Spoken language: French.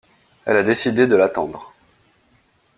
Elle a décidé de l'attendre.